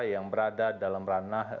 yang berada dalam ranah